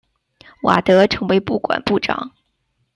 瓦德成为不管部长。